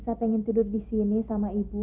kangen itu seperti apa sih bu